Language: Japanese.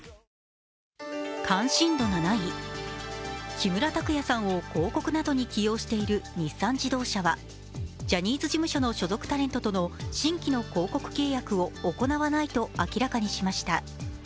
木村拓哉さんを広告などに起用している日産自動車はジャニーズ事務所の所属タレントとの新規の広告契約を行わないと発表しました。